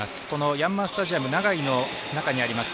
ヤンマースタジアム長居の中にあります